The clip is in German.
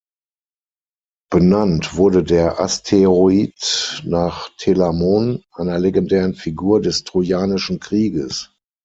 Benannt wurde der Asteroid nach Telamon, einer legendären Figur des trojanischen Krieges.